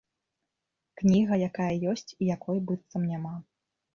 Кніга, якая ёсць і якой быццам няма.